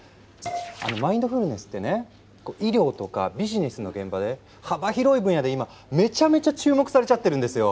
あのマインドフルネスってね医療とかビジネスの現場で幅広い分野で今めちゃめちゃ注目されちゃってるんですよ。